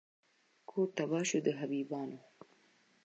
کور تباه سوی د حبیبیانو